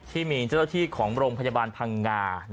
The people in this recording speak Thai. ที่มีเจ้าที่ของมรมพยาบาลพังงา